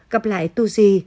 gặp lại tu di